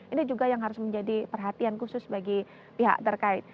ini juga yang harus menjadi perhatian khusus bagi pihak terkait